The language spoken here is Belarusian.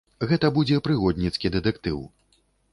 Гэта будзе прыгодніцкі дэтэктыў.